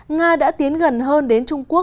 nga đã tiến gần hơn đến trung quốc